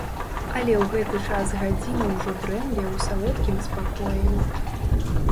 Але ў гэты час гадзіна ўжо дрэмле ў салодкім спакоі.